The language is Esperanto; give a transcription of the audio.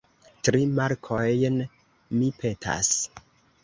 Tri markojn, mi petas.